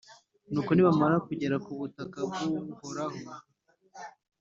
nuko nibamara kugera ku butaka bw’Uhoraho,